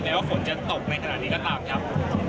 ว่าฝนจะตกในขณะนี้ก็ตามครับ